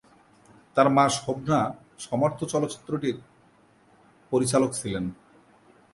তার মা শোভনা সমর্থ চলচ্চিত্রটির পরিচালক ছিলেন।